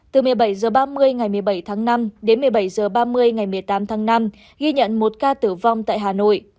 từ một mươi bảy h ba mươi ngày một mươi bảy tháng năm đến một mươi bảy h ba mươi ngày một mươi tám tháng năm ghi nhận một ca tử vong tại hà nội